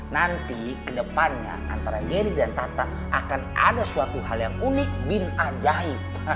nanti kedepannya antara gary dan tata akan ada suatu hal yang unik bin ajaib